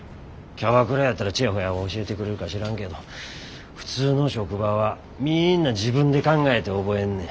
キャバクラやったらチヤホヤ教えてくれるか知らんけど普通の職場はみんな自分で考えて覚えんねん。